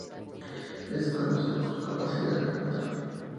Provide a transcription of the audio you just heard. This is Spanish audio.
Es conocido por su capacidad de rematar.